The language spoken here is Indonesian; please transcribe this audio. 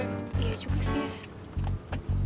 iya juga sih ya